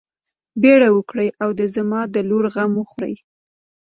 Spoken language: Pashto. بيړه وکړئ او د زما د لور غم وخورئ.